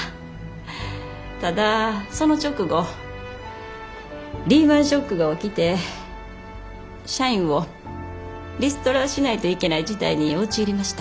ただその直後リーマンショックが起きて社員をリストラしないといけない事態に陥りました。